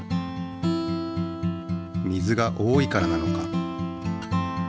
水が多いからなのか？